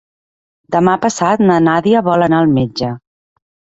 Demà passat na Nàdia vol anar al metge.